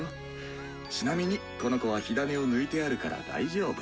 ちなみにこの子は火種を抜いてあるから大丈夫。